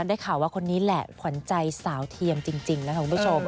ได้ข่าวว่าคนนี้แหละขวัญใจสาวเทียมจริงนะครับคุณผู้ชม